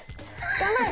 頑張れ。